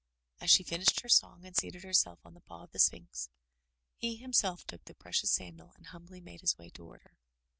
*' As she finished her song and seated herself on the paw of the Sphinx, he himself took the precious sandal and humbly made his way toward her.